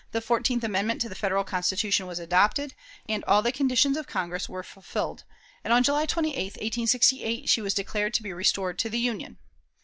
The fourteenth amendment to the Federal Constitution was adopted, and all the conditions of Congress were fulfilled; and on July 28, 1868, she was declared to be restored to the Union.